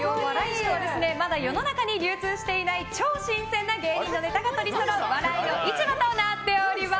市ではまだ世の中に流通していない超新鮮な芸人のネタがとりそろうお笑いの市場となっています。